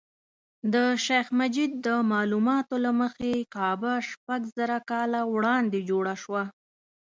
د شیخ مجید د معلوماتو له مخې کعبه شپږ زره کاله وړاندې جوړه شوه.